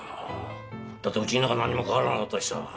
だって家の中なんにも変わらなかったしさ。